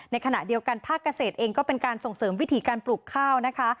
ในขณะเดียวกันภาคเกษตรเองก็เป็นการส่งเสริมวิถีการปลูกข้าวนะคะ